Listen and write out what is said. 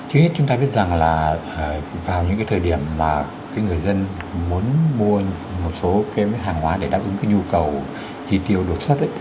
trước hết chúng ta biết rằng là vào những thời điểm mà người dân muốn mua một số hàng hóa để đáp ứng nhu cầu chi tiêu đột xuất